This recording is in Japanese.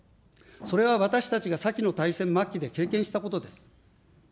それは私たちが先の大戦末期で経験したことです。